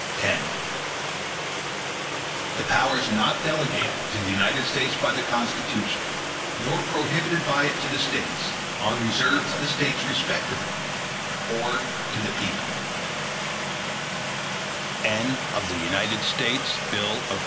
X The powers not delegated to the United States by the Constitution, nor prohibited by it to the States, are reserved to the States respectively, or to the people.